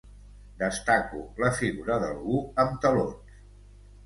Destaco la figura d'algú amb talons.